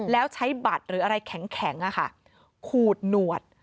แล้วใช้บัตรหรืออะไรแข็งขูดหนวด